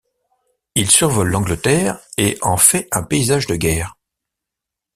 Il survole l'Angleterre et en fait un paysage de guerre.